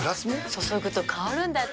注ぐと香るんだって。